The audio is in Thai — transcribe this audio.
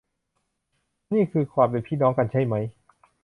และนี่คือความเป็นพี่น้องกัน ใช่มั้ย